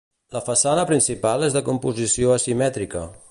La façana principal és de composició asimètrica.